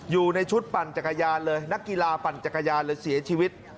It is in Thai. อยู่ในชุดปั่นจักรยานเลยนักกีฬาปั่นจักรยานเลยเสียชีวิต